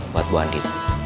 buat bu andi